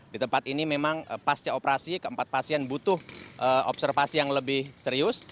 di tempat ini memang pasca operasi keempat pasien butuh observasi yang lebih serius